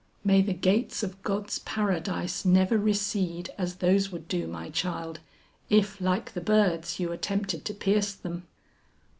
"May the gates of God's Paradise never recede as those would do, my child, if like the birds you attempted to pierce them."